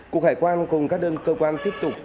cục hải quan cùng các đơn cơ quan tiếp tục